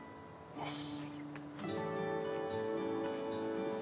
よし！